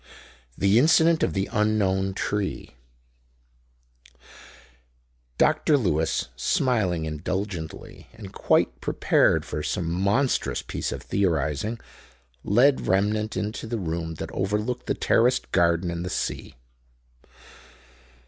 The Incident of the Unknown Tree Dr. Lewis, smiling indulgently, and quite prepared for some monstrous piece of theorizing, led Remnant into the room that overlooked the terraced garden and the sea.